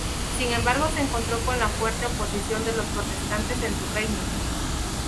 Sin embargo se encontró con la fuerte oposición de los protestantes en su reino.